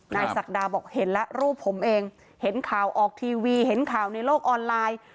ศักดาบอกเห็นแล้วรูปผมเองเห็นข่าวออกทีวีเห็นข่าวในโลกออนไลน์